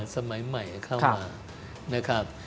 สมัยใหม่เข้ามานะครับ